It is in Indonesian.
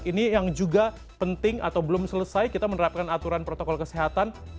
ini yang juga penting atau belum selesai kita menerapkan aturan protokol kesehatan